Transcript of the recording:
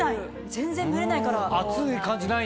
全然蒸れないから。